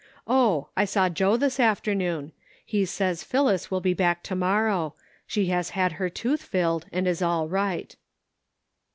Oh, I saw Joe this afternoon. And he says Phillis will be back to morrow ; she has had her tooth filled and is all right."